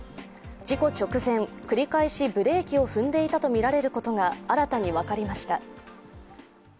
事故直前繰り返しブレーキを踏んでいたとみられることが新たに分かりました。